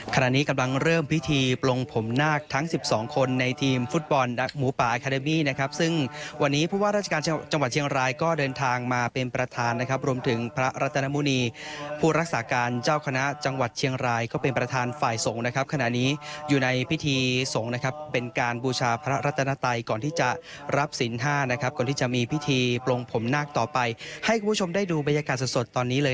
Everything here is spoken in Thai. ขณะนี้กำลังเริ่มพิธีปลงผมนาคทั้ง๑๒คนในทีมฟุตบอลหนักหมูป่าอาคาเดมี่นะครับซึ่งวันนี้พูดว่าราชการจังหวัดเชียงรายก็เดินทางมาเป็นประธานนะครับรวมถึงพระรัตนมุณีผู้รักษาการเจ้าคณะจังหวัดเชียงรายก็เป็นประธานฝ่ายสงฆ์นะครับขณะนี้อยู่ในพิธีสงฆ์นะครับเป็นการบูชาพระรัต